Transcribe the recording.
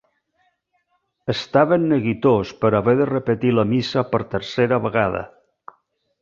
Estar ben neguitós per haver de repetir la missa per tercera vegada.